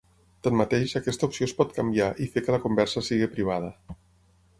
Tanmateix, aquesta opció es pot canviar i fer que la conversa sigui privada.